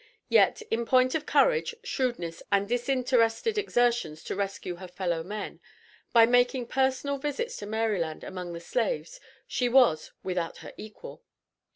Yet, in point of courage, shrewdness and disinterested exertions to rescue her fellow men, by making personal visits to Maryland among the slaves, she was without her equal.